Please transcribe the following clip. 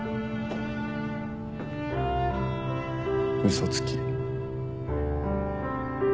嘘つき。